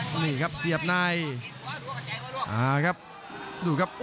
กรรมการเตือนทั้งคู่ครับ๖๖กิโลกรัม